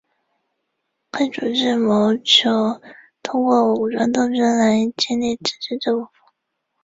该组织谋求通过武装斗争来建立自治政府。